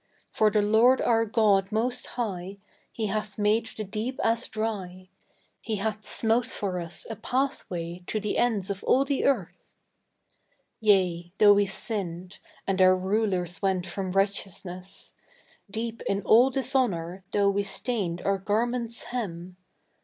For the Lord our God Most High He hath made the deep as dry, He hath smote for us a pathway to the ends of all the Earth!_ _Yea, though we sinned and our rulers went from righteousness Deep in all dishonour though we stained our garments' hem.